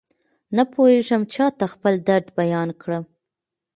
نپوهېږم چاته خپل درد بيان کړم.